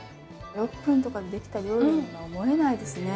６分とかでできた料理には思えないですね。